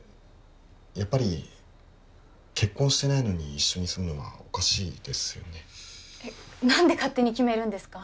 やっぱり結婚してないのに一緒に住むのはおかしいですよねえっ何で勝手に決めるんですか？